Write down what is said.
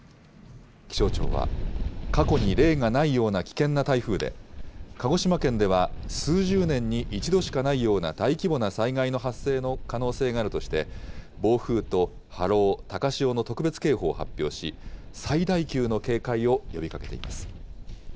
気象庁は、過去に例がないような危険な台風で、鹿児島県では数十年に一度しかないような大規模な災害の発生の可能性があるとして、暴風と波浪、高潮の特別警報を発表し、最大級の警戒を呼びかけています。